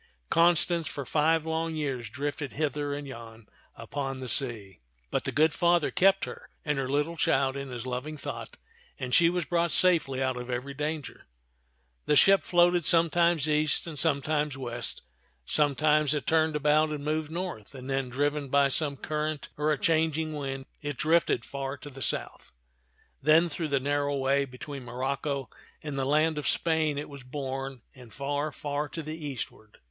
Constance for five long years drifted hither and yon upon the sea ; but the good Father kept her and her little child in his loving thought, and she was brought safely out of every danger. The ship floated sometimes east and sometimes west; sometimes it turned about and moved north, then, driven by some current or a changing wind, it drifted far to the south. Then through the narrow way between Morocco and the land of Spain it was borne, and far, far to the eastward.